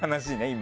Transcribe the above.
今。